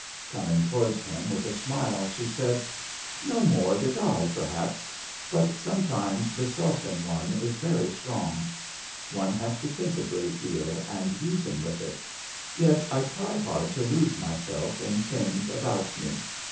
Coming towards him with a smile, she said, " No more did I, perhaps. But sometimes the self in one is very strong. One has to think a great deal and reason with it. Yet I try hard to lose myself in things about me.